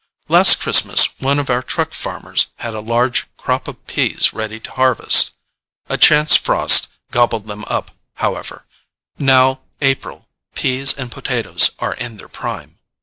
Last Christmas one of our truck farmers had a large crop of peas ready to harvest: a chance frost gobbled them up, however: now (April) peas and potatoes are in their prime.